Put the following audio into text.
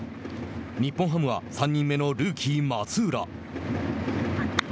日本ハムは３人目のルーキー松浦。